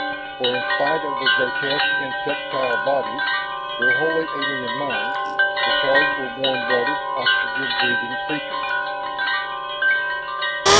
For in spite of their grotesque insectile bodies, their wholly alien minds, the Throgs were warm blooded, oxygen breathing creatures.